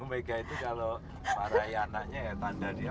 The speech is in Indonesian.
bu mega itu kalau marahi anaknya tanda dia